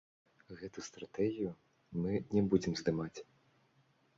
Гэту стратэгію мы не будзем здымаць.